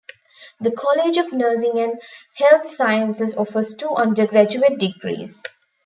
The College of Nursing and Health Sciences offers two undergraduate degrees.